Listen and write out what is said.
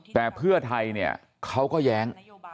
แต่เพื่อไทยเนี่ยเขาก็แย้ง